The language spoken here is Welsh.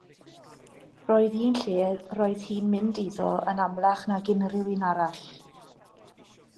Roedd un lle roedd hi'n mynd iddo yn amlach nag unrhyw un arall.